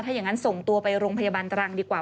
ถ้าอย่างนั้นส่งตัวไปโรงพยาบาลตรังดีกว่า